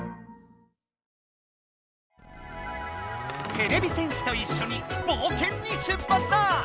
てれび戦士といっしょにぼうけんに出発だ！